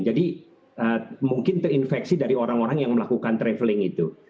jadi mungkin terinfeksi dari orang orang yang melakukan traveling itu